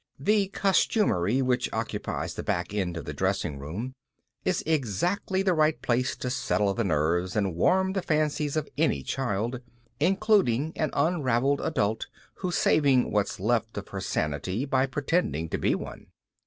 The costumery, which occupies the back end of the dressing room, is exactly the right place to settle the nerves and warm the fancies of any child, including an unraveled adult who's saving what's left of her sanity by pretending to be one.